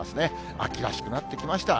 秋らしくなってきました。